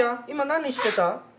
今何してた？